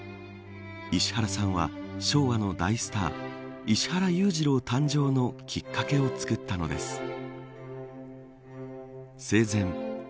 石原さんは、昭和の大スター石原裕次郎誕生のきっかけをつくったのです。